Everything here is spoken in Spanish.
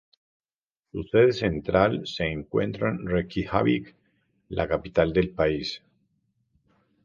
Su sede central se encuentra en Reykjavík, la capital del país.